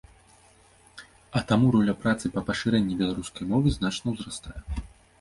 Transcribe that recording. А таму роля працы па пашырэнні беларускай мовы значна ўзрастае.